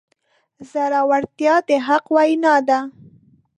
زړورتیا د حق وینا ده.